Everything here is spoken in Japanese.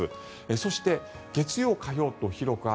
そして、月曜、火曜と広く雨。